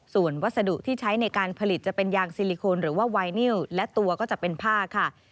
ส่วนวัสดุที่ใช้ในการผลิตจะเป็นยางซิลิโคนหรือว่าไวนิวและตัวก็จะเป็นผ้าค่ะ